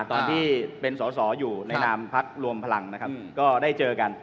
ตอนที่เป็นสอสออยู่ในนามพักรวมพลังนะครับก็ได้เจอกัน